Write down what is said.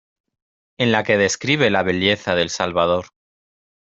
En la que describe la belleza de El Salvador.